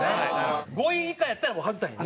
５位以下やったらもう外さへん。